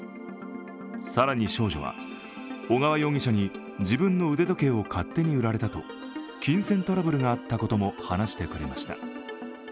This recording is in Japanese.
更に少女は、小川容疑者に自分の腕時計を勝手に売られたと金銭トラブルがあったことも話してくれました。